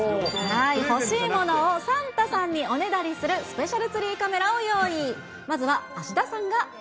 欲しいものをサンタさんにおねだりするスペシャルツリーカメラを用意。